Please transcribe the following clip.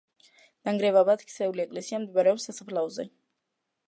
ნანგრევებად ქცეული ეკლესია მდებარეობს სასაფლაოზე.